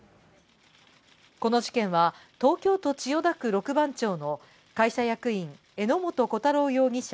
この事件は東京都千代田区六番町の会社役員・榎本虎太郎容疑者